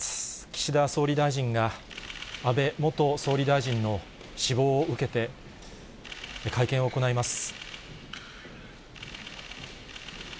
岸田総理大臣が安倍元総理大臣の死亡を受けて、会見を行います。